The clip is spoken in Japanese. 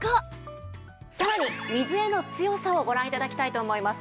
さらに水への強さをご覧頂きたいと思います。